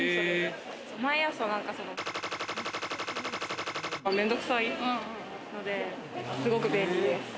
毎朝面倒くさいので、すごく便利です。